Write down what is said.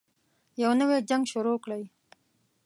يو نـوی جـنګ شروع كړئ.